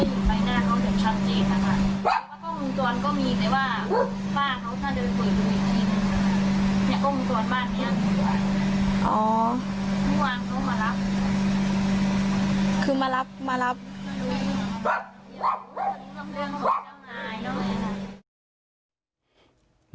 เนี้ยก็มีส่วนบ้านเนี้ยอ๋อนี่วางก็มารับคือมารับมารับ